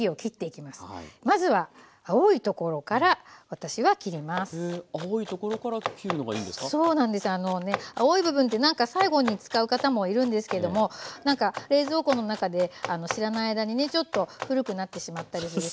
青い部分ってなんか最後に使う方もいるんですけれどもなんか冷蔵庫の中で知らない間にねちょっと古くなってしまったりするし。